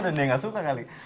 dan dia gak suka kali